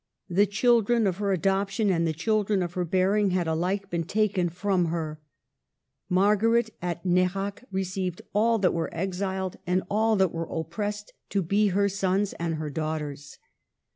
The children of her adoption and the children of her bearing had alike been taken from her. Margaret at Nerac received all that were exiled and all that were oppressed to be as her sons and her daughters.